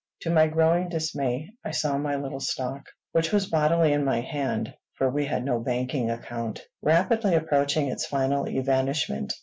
To my growing dismay, I saw my little stock which was bodily in my hand, for we had no banking account rapidly approaching its final evanishment.